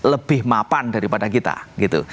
lebih mapan daripada kita gitu